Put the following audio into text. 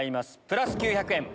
プラス９００円。